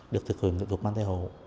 được thực hiện kỹ thuật mang thai hộ